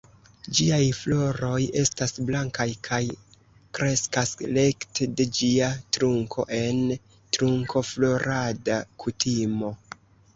Ĝiaj floroj estas blankaj kaj kreskas rekte de ĝia trunko en trunkoflorada kutimo.